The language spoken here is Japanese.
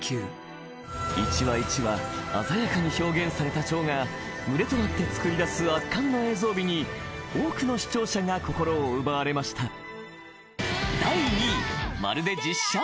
［一羽一羽鮮やかに表現されたチョウが群れとなって作り出す圧巻の映像美に多くの視聴者が心を奪われました］